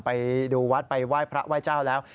ไปดูวัดไปไหว้พระไหว้เจ้าแล้ว